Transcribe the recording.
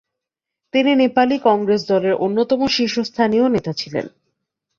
তিনি নেপালি কংগ্রেস দলের অন্যতম শীর্ষস্থানীয় নেতা ছিলেন।